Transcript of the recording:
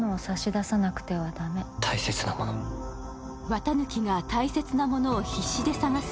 四月一日が、大切なものを必死で探す